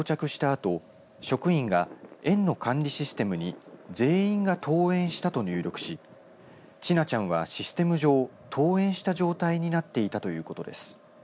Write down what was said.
あと職員が園の管理システムに全員が登園したと入力し千奈ちゃんは、システム上登園した状態になっていたということです。